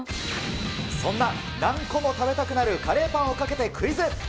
そんな何個も食べたくなるカレーパンをかけてクイズ。